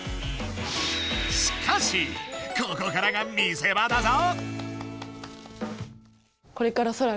しかしここからが見せ場だぞ！